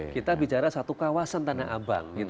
kita bicara satu kawasan tanah abang